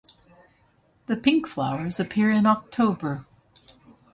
The pink flowers appear in October.